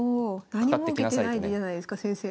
何も受けてないじゃないですか先生。